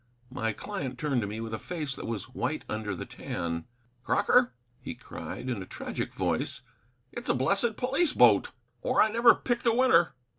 My client turned to me with a face that was white under the tan. "Crocker," he cried, in a tragic voice, "it's a blessed police boat, or I never picked a winner."